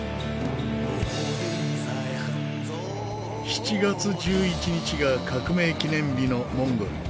７月１１日が革命記念日のモンゴル。